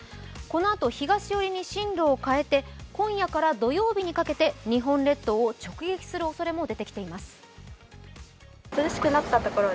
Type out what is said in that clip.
このあと東寄りに進路を変えて今夜から土曜日にかけて日本列島を直撃するおそれも出てきています。